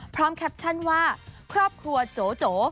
แคปชั่นว่าครอบครัวโจโจ